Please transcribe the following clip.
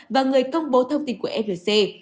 và người công bố thông tin của flc